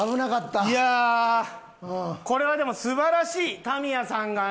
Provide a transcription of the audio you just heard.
これはでも素晴らしい！